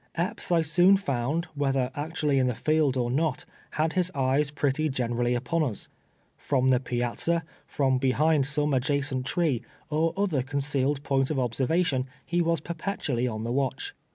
Epps, I soon found, whether actually in the field or not, had liis eyes pretty gen erally upon us. Frr)m the i)iaz/.a, from behind some adjacent tree, or other concealed point of observation, he was perpetually on the watch.